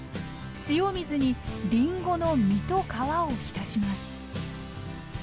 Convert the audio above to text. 塩水にりんごの実と皮を浸します